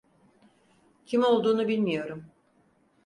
Kim olduğunu bilmiyorum.